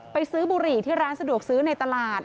ไปซื้อบุหรี่ที่ร้านสะดวกซื้อในตลาด